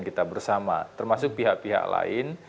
kita bersama termasuk pihak pihak lain